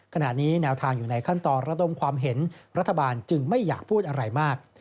ขณะนี้แนวทางอยู่ในขั้นตอนระดมความเห็นรัฐบาลจึงไม่อยากพูดอะไรมาก